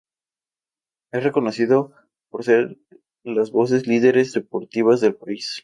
Es reconocido por ser las voces lideres deportivas del país.